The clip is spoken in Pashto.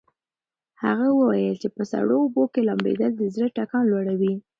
هغه وویل چې په سړو اوبو کې لامبېدل د زړه ټکان لوړوي.